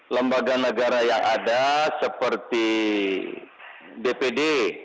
lembaga negara yang ada seperti dpd